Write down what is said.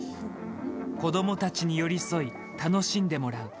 子どもたちに寄り添い楽しんでもらう。